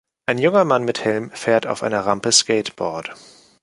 Ein junger Mann mit Helm fährt auf einer Rampe Skateboard.